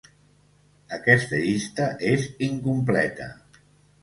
Aquesta llista és incompleta.